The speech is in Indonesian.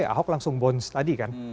ahok langsung bons tadi kan